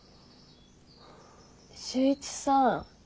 修一さん。